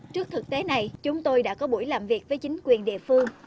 trước thực tế này chúng tôi đã có buổi làm việc với chính quyền địa phương